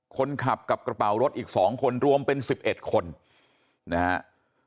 คนขับกับกระเป๋ารถอีก๒คนรวมเป็น๑๑คนนะฮะ